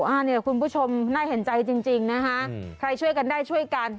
อันนี้คุณผู้ชมน่าเห็นใจจริงนะคะใครช่วยกันได้ช่วยกัน